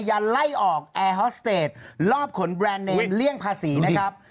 ยันไล่ออกแอร์ฮอสเตจรอบขนแบรนด์เนมเลี่ยงภาษีนะครับ